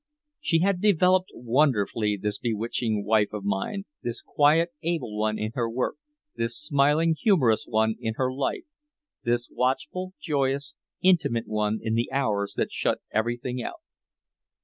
She had developed wonderfully, this bewitching wife of mine, this quiet able one in her work, this smiling humorous one in her life, this watchful, joyous, intimate one in the hours that shut everything out.